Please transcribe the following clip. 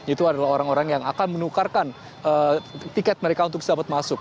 itu adalah orang orang yang akan menukarkan tiket mereka untuk bisa dapat masuk